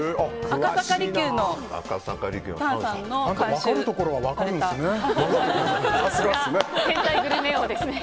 分かるところは分かるんですね。